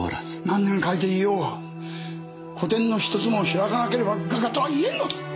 何年描いていようが個展のひとつも開かなければ画家とは言えんのだ！